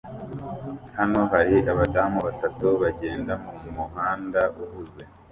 Hano hari abadamu batatu bagenda mumuhanda uhuze